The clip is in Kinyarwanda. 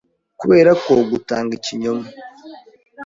Kuberako gutanga ikinyoma